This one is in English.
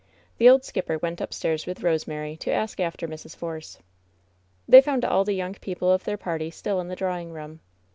WHEN SHADOWS DIE 1«J The old skipper went upstairs with Rosemary, to ask after Mrs. Force. They found all the young people of their party still in the drawing room.